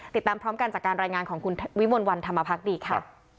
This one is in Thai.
ติดตามพร้อมกันจากการรายงานของคุณวิมลวันธรรมพักดีค่ะ